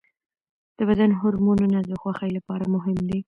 د بدن هورمونونه د خوښۍ لپاره مهم دي.